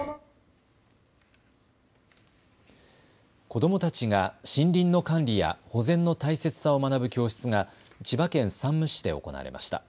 子どもたちが森林の管理や保全の大切さを学ぶ教室が千葉県山武市で行われました。